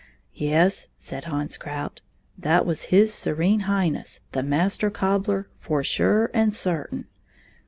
" Yes," said Hans Krout, " that was His Serene Highness, the Master Cobbler, for sure and certain.